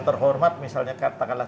terhormat misalnya katakanlah